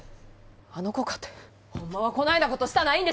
あの子かてホンマはこないなことしたないんです！